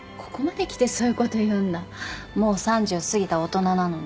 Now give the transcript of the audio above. もう３０過ぎた大人なのに。